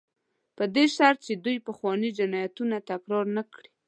په دې شرط چې دوی پخواني جنایتونه تکرار نه کړي.